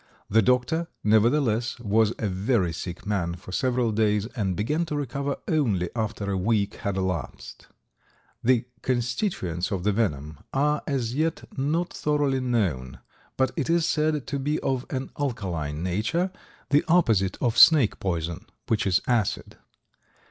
The Doctor, nevertheless, was a very sick man for several days and began to recover only after a week had elapsed. The constituents of the venom are as yet not thoroughly known, but it is said to be of an alkaline nature, the opposite of snake poison, which is acid.